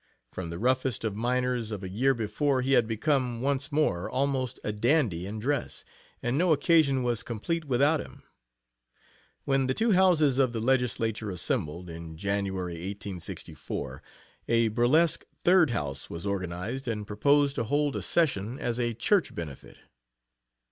From the roughest of miners of a year before he had become, once more, almost a dandy in dress, and no occasion was complete without him. When the two Houses of the Legislature assembled, in January, 1864, a burlesque Third House was organized and proposed to hold a session, as a church benefit.